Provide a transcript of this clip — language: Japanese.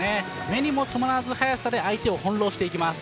目にもとまらぬ速さで相手を翻弄してきます。